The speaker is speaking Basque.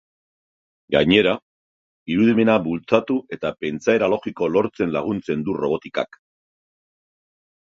Gainera, irudimena bultzatu eta pentsaera logikoa lortzen laguntzen du robotikak.